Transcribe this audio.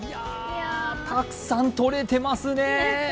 たくさんとれてますね。